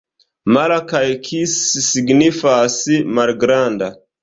Mala kaj kis signifas: malgranda.